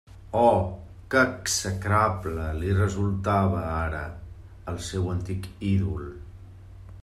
Oh, que execrable li resultava ara el seu antic ídol!